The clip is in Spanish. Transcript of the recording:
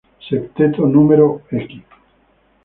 Septeto no.